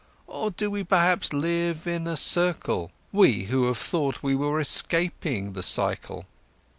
Or do we perhaps live in a circle—we, who have thought we were escaping the cycle?"